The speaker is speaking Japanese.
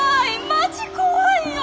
マジ怖いよ。